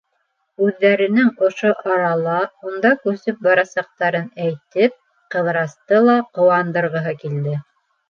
Үҙҙәренең ошо арала унда күсеп барасаҡтарын әйтеп, Ҡыҙырасты ла ҡыуандырғыһы килде.